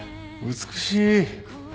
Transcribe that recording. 美しい。